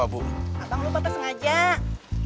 abang lupa tersengaja